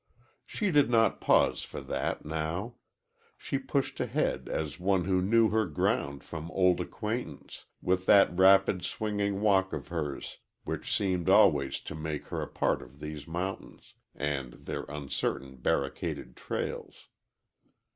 She did not pause for that now. She pushed ahead as one who knew her ground from old acquaintance, with that rapid swinging walk of hers which seemed always to make her a part of these mountains, and their uncertain barricaded trails.